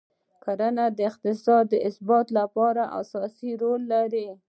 کرنه د اقتصاد د ثبات لپاره اساسي رول لري.